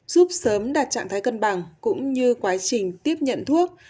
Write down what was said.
giúp sớm đạt trạng thái cân bằng cũng như quá trình tiếp nhận thuốc